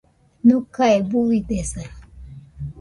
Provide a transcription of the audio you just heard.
Nokae buidesa